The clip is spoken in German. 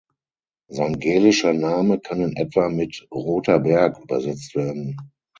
Sein gälischer Name kann in etwa mit "Roter Berg" übersetzt werden.